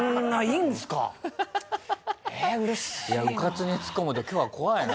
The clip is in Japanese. いやうかつにツッコむと今日は怖いな。